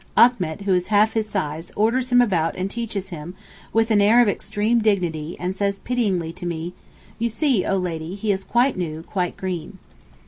Achmet, who is half his size, orders him about and teaches him, with an air of extreme dignity and says pityingly to me, 'You see, oh Lady, he is quite new, quite green.